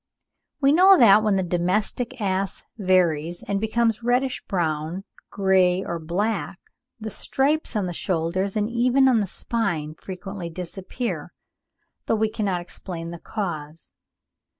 We know that, when the domestic ass varies and becomes reddish brown, grey, or black, the stripes on the shoulders and even on the spine frequently disappear, though we cannot explain the cause.